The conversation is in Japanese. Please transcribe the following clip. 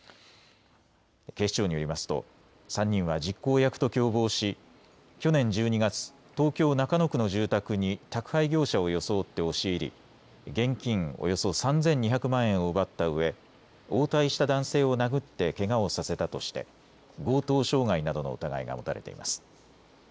警視庁によりますと３人は実行役と共謀し去年１２月、東京中野区の住宅に宅配業者を装って押し入り現金およそ３２００万円を奪ったうえ応対した男性を殴ってけがをさせたとして強盗傷害などの疑いが持たれています。